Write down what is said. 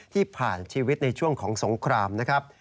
ที่ผ่านชีวิตในช่วงของสงครามนะครับ